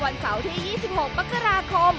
เสาร์ที่๒๖มกราคม